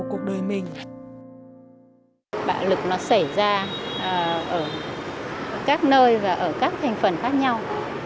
các nơi và ở các thành phần khác nhau